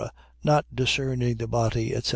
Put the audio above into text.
not discerning the body, etc.